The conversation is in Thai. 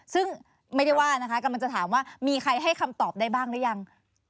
ซึ่งไม่ได้ว่านะคะกำลังจะถามว่ามีใครให้คำตอบได้บ้างหรือยัง